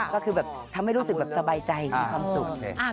ก็คือแบบทำให้รู้สึกแบบสบายใจมีความสุข